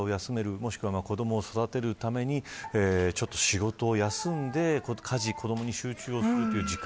もしくは子どもを育てるために仕事を休んで家事、子どもに集中するという時間。